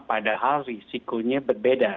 padahal risikonya berbeda